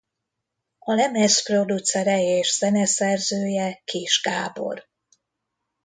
A lemez producere és zeneszerzője Kiss Gábor.